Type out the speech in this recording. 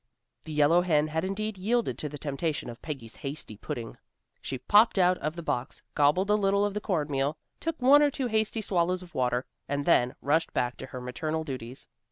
The yellow hen had indeed yielded to the temptation of Peggy's hasty pudding. She popped out of the box, gobbled a little of the corn meal, took one or two hasty swallows of water, and then rushed back to her maternal duties.